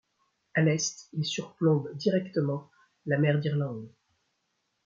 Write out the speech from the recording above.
À l'est, il surplombe directement la mer d'Irlande.